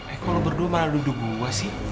eh kalau berdua mana duduk buah sih